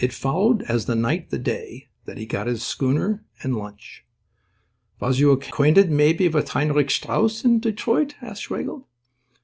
It followed as the night the day that he got his schooner and lunch. "Was you acquainted maybe with Heinrich Strauss in Detroit?" asked Schwegel.